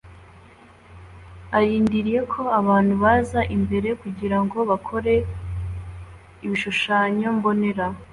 Arindiriye ko abantu baza imbere kugirango bakore ibishushanyo mbonera